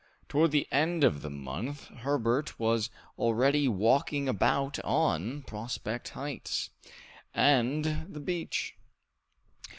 Towards the end of the month, Herbert was already walking about on Prospect Heights, and the beach.